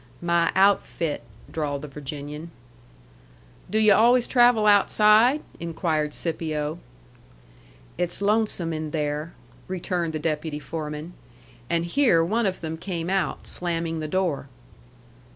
"My outfit," drawled the Virginian. "Do yu' always travel outside?" inquired Scipio. "It's lonesome in there," returned the deputy foreman. And here one of them came out, slamming the door.